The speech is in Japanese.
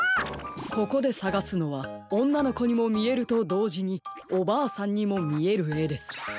ここでさがすのはおんなのこにもみえるとどうじにおばあさんにもみえるえです。